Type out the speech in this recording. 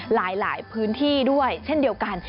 หลายพื้นที่ด้วยเช่นเดียวกัน